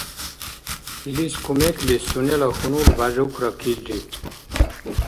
Илис кумеклис сунела хьунул Бяжукра килри